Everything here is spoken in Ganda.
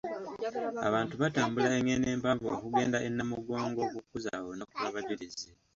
Abantu batambula engendo empanvu okugenda e Namugongo okukuza olunaku lw'abajulizi.